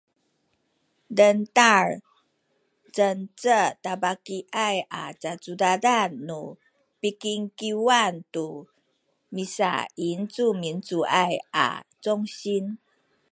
dengtal Cengce tabakiaya a cacudadan nu pikingkiwan tu misayincumincuay a congsin